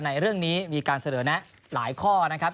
ในเรื่องนี้มีการเสนอแนะหลายข้อนะครับ